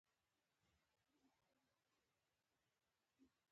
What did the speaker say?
زغم د سولې سبب دی.